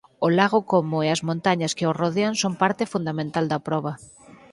O lago Como e as montañas que o rodean son parte fundamental da proba.